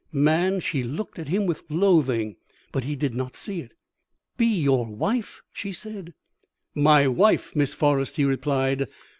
"Man, she looked at him with loathing, but he did not see it. "'Be your wife?' she said. "'My wife, Miss Forrest,' he replied.